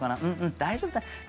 「大丈夫だ。